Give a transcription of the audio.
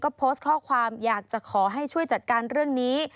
ก็โพสต์ข้อความอยากจะขอให้ช่วยจัดการเรื่องนี้